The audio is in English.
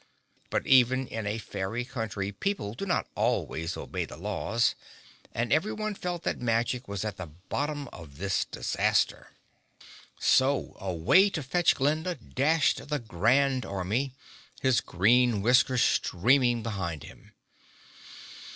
But even in a fairy country people do not always obey the laws and everyone felt that magic was at the bottom of this disaster. So away to fetch Glinda dashed the Grand Army, his green whiskers streaming behind him.